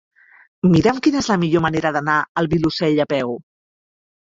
Mira'm quina és la millor manera d'anar al Vilosell a peu.